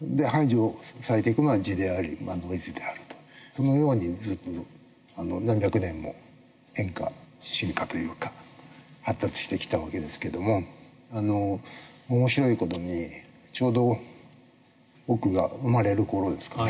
そのように何百年も変化進化というか発達してきた訳ですけども面白い事にちょうど僕が生まれる頃ですかね